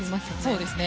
そうですね。